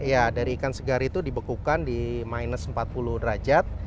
ya dari ikan segar itu dibekukan di minus empat puluh derajat